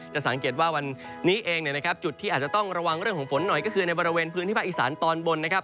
จะสังเกตว่าวันนี้เองเนี่ยนะครับจุดที่อาจจะต้องระวังเรื่องของฝนหน่อยก็คือในบริเวณพื้นที่ภาคอีสานตอนบนนะครับ